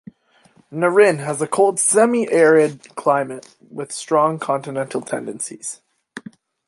Naryn has a cold semi-arid climate with strong continental tendencies.